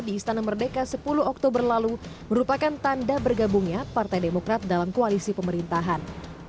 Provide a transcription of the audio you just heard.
di istana merdeka sepuluh oktober lalu merupakan tanda bergabungnya partai demokrat dalam koalisi pemerintahan